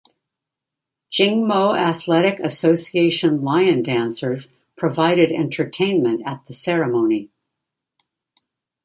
Jing Mo Athletic Association lion dancers provided entertainment at the ceremony.